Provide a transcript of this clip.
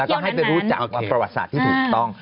แล้วก็ให้ไปรู้จักประวัติศาสตร์ที่ถูกต้อง